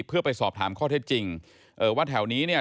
เพื่อไปสอบถามข้อเท็จจริงเอ่อว่าแถวนี้เนี่ย